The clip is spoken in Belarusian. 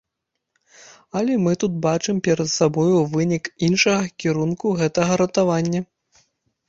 Але мы тут бачым перад сабою вынік іншага кірунку гэтага ратавання.